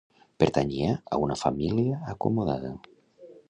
Pertanyia a una família acomodada.